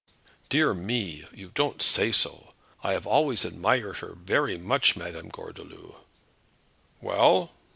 "Dear me! you don't say so. I have always admired her very much, Madame Gordeloup." "Well?"